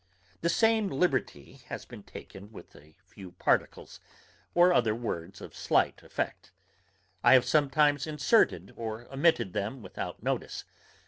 The same liberty has been taken with a few particles, or other words of slight effect. I have sometimes inserted or omitted them without notice.